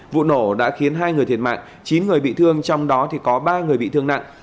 vụ nổ đã khiến hai người thiệt mạng chín người bị thương trong đó có ba người bị thương nặng